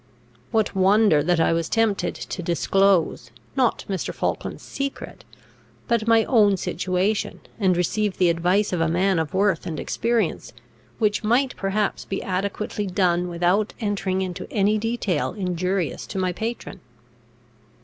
What wonder that I was tempted to disclose, not Mr. Falkland's secret, but my own situation, and receive the advice of a man of worth and experience, which might perhaps be adequately done without entering into any detail injurious to my patron?